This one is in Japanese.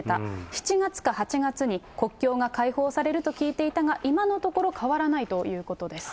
７月か８月に国境が開放されると聞いていたが、今のところ変わらないということです。